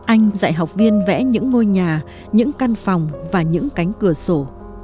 anh dạy học viên vẽ những ngôi nhà những căn phòng và những cánh cửa sổ